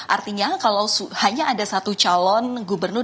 artinya kalau hanya ada satu calon gubernur